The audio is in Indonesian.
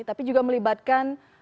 tapi juga melibatkan